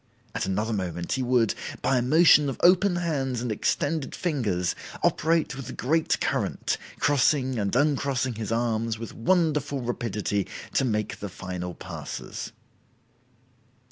At another moment he would, by a motion of open hands and extended fingers, operate with the great current, crossing and uncrossing his arms with wonderful rapidity to make the final passes."